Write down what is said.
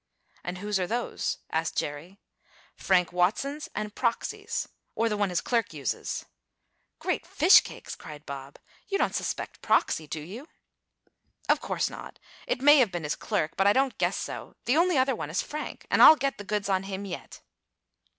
"And whose are those?" asked Jerry. "Frank Watson's and Proxy's or the one his clerk uses." "Great fish cakes!" cried Bob. "You don't suspect Proxy; do you?" "Of course not. It may have been his clerk, but I don't guess so. The only other one is Frank, and I'll get the goods on him yet!"